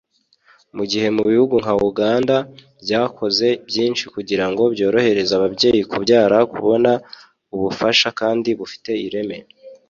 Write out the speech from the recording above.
mu gihe mu bihugu nka Uganda byakoze byinshi kugira ngo byorohereze ababyeyi babyara kubona ubufasha kandi bufite ireme